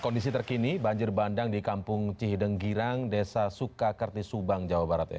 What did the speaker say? kondisi terkini banjir bandang di kampung cihideng girang desa sukakerti subang jawa barat